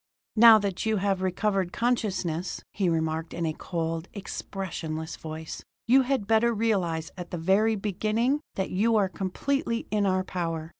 "Now that you have recovered consciousness," he remarked in a cold, expressionless voice, "you had better realize at the very beginning that you are completely in our power.